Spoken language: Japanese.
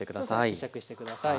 はい。